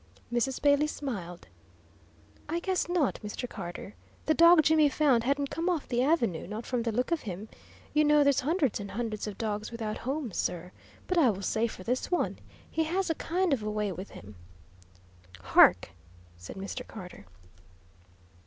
Mrs. Bailey smiled. "I guess not, Mr. Carter. The dog Jimmy found hadn't come off the avenue not from the look of him. You know there's hundreds and hundreds of dogs without homes, sir. But I will say for this one, he has a kind of a way with him." "Hark!" said Mr. Carter.